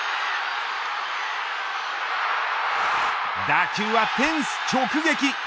打球はフェンス直撃。